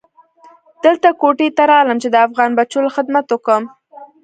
دلته کوټې ته رالم چې د افغان بچو له خدمت اوکم.